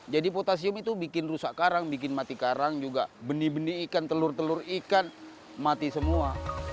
jadi potasium itu bikin rusak karang bikin mati karang juga benih benih ikan telur telur ikan mati semua